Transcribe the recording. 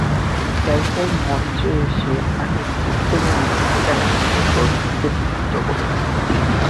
এরপর মঞ্চে এসে আরেক ছোট্টমণি বিনীতা গান গেয়ে দর্শকদের মুগ্ধ করে।